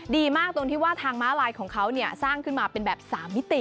ดีมากตรงที่ว่าทางม้าลายของเขาสร้างขึ้นมาเป็นแบบ๓มิติ